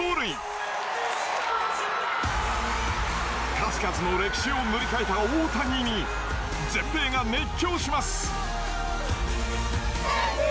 数々の歴史を塗り替えた大谷に全米が熱狂します。